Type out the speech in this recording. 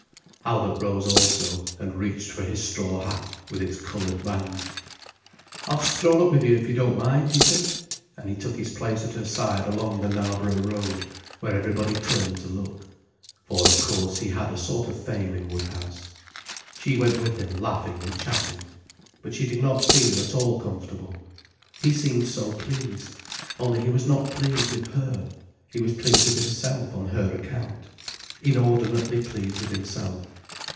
Albert rose also, and reached for his straw hat, with its coloured band. "I'll stroll up with you, if you don't mind," he said. And he took his place at her side along the Knarborough Road, where everybody turned to look. For, of course, he had a sort of fame in Woodhouse. She went with him laughing and chatting. But she did not feel at all comfortable. He seemed so pleased. Only he was not pleased with her. He was pleased with himself on her account: inordinately pleased with himself.